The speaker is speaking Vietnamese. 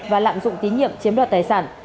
và lạm dụng tín nhiệm chiếm đoạt tài sản